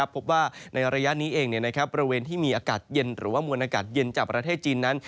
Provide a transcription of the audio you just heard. พบว่าในระยะนี้เองบริเวณที่มีอากาศเย็นหรือว่ามวลอากาศเย็นจากประเทศจีนนั้น